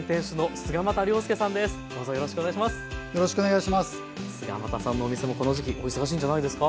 菅又さんのお店もこの時期お忙しいんじゃないですか？